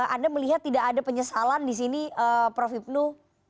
anda melihat tidak ada penyesalan disini prof ibnul